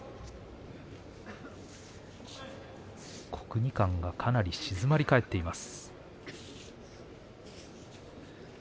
国技館が静まり返っています。